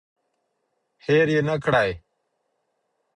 هیر یې نکړئ.